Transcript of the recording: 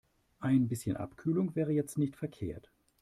Ein bisschen Abkühlung wäre jetzt nicht verkehrt.